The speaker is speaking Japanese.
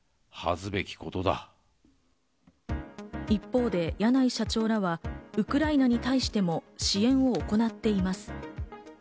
一方で柳井社長らはウクライナに対しても支援を行っています。